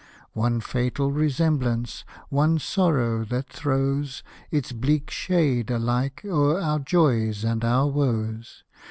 One fatal resemblance, one sorrow that throws Its bleak shade alike o'er our joys and our woes.